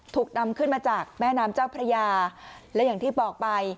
ถูกนำขึ้นมาจากแม่น้ำเจ้าพระยาและอย่างที่บอกไป